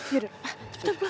cepetan pulang ya pak